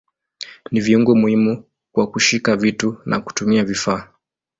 Ni viungo muhimu kwa kushika vitu na kutumia vifaa.